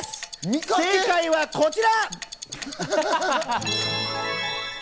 正解はこちら！